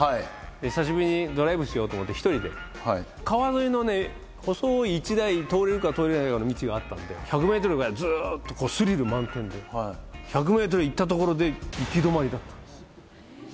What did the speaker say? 久しぶりにドライブしようと思って、１人で、川沿いの細い１台通れるか通れないかの道があったんで、１００メートルぐらいずっとスリル満点で、１００メートル行ったところで行き止まりだった。